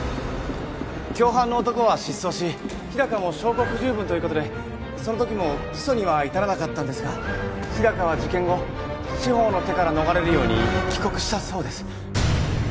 共犯の男は失踪し日高も証拠不十分ということでその時も起訴には至らなかったんですが日高は事件後司法の手から逃れるように帰国したそうです